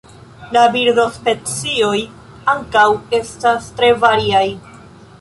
La birdospecioj ankaŭ estas tre variaj.